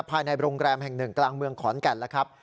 ภายในโรงแรมแห่งหนึ่งกลางเมืองขอนแก่นแล้วครับ